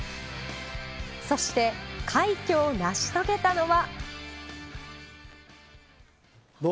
そして、快挙を成し遂げたのは。